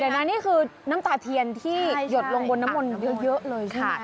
เดี๋ยวนะนี่คือน้ำตาเทียนที่หยดลงบนน้ำมนต์เยอะเลยค่ะ